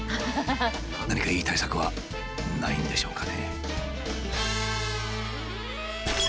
何かいい対策はないんでしょうかね。